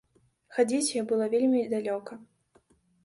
Хадзіць ёй было вельмі далёка.